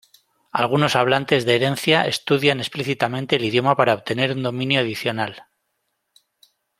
Algunos hablantes de herencia estudian explícitamente el idioma para obtener un dominio adicional.